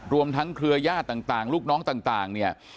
รวมทั้งเครือญาติต่างลูกน้องต่างเนี่ย